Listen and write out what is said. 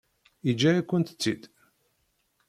Yeǧǧa-yakent-t-id?